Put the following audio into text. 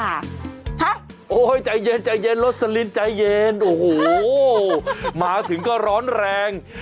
พักโอ้ยใจเย็นโรสลินใจเย็นโอ้โหมาถึงก็ร้อนแรง